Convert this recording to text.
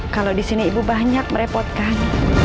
kalau disini ibu banyak merepotkan